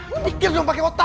lu pikir dong pake otak